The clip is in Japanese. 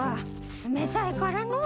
冷たいからのう。